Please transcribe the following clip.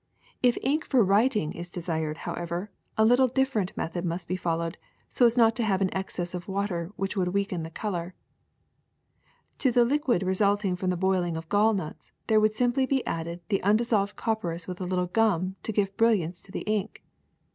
If ink for writing is desired, however, a little differ ent method must be followed so as not to have an excess of water, which would weaken the color. To the liquid resulting from boiling the gallnuts there would simply be added the undissolved copperas with a little gum to give brilliance to the ink.